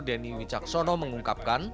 denny wicaksono mengungkapkan